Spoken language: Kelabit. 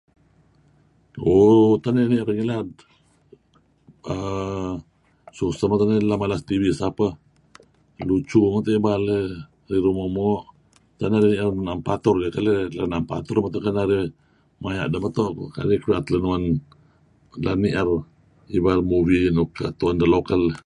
Ooh tak narih ni'er deh ngilad err susah meto' narih mala tv sapeh lucu meto ibal eh riruh moo'-moo' tak narih ni'er ibal nuk na'em patur eh keleh la' na'em patur meto' kedinarih maya' deh meto' kadi' keduih da'et lenuen la' ni'er ibal movie nuk tu'en deh local eh.